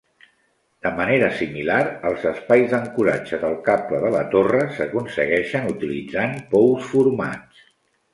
De manera similar, els espais d'ancoratge del cable de la torre s'aconsegueixen utilitzant pous formats.